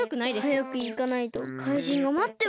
はやくいかないとかいじんがまってます。